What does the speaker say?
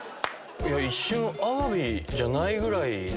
一瞬アワビじゃないぐらいの。